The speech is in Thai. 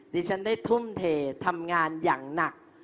ดิฉันได้ทุ่มเททำงานอย่างหนัก